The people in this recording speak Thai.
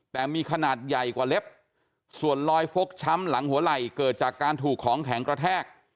แต่มีขนาดใหญ่กว่าเล็บส่วนรอยฟกช้ำหลังหัวไหล่เกิดจากการถูกของแข็งกระแทก